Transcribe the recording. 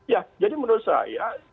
ya jadi menurut saya